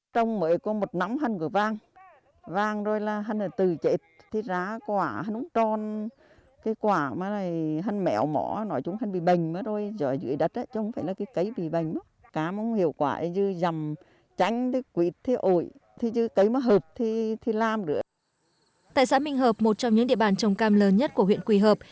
tại xã minh hợp một trong những địa bàn trồng cam lớn nhất của huyện quỳ hợp